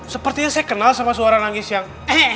sepertinya saya kenal sama suara nangis yang